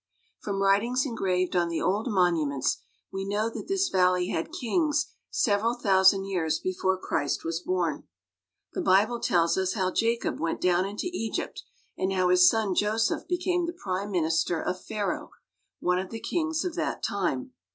From writings engraved on the old monuments we know that this valley had kings several thousand years before Christ was born. The Bible tells us how Jacob went down into Egypt, and how his son Joseph became the Prime Minister of Pharaoh, one of the kings of that time.